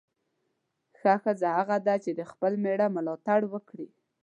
ښه ښځه هغه ده چې د خپل میړه ملاتړ وکړي.